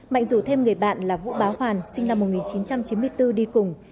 mạnh rủ thêm người bạn là vũ báo hoàn sinh năm một nghìn chín trăm chín mươi bốn đi cùng